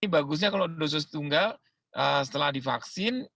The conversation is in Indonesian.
bagusnya kalau dosis tunggal setelah divaksin